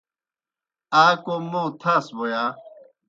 آ کوْم موں تھاس بوْ یا؟